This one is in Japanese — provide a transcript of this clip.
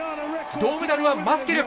銅メダルはマスキル。